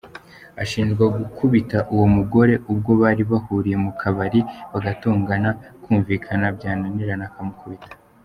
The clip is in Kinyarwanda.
Ashinjwa gukubita uwo mugore ubwo bari bahuriye mu kabari bagatongana, kumvikana byananirana akamukubita.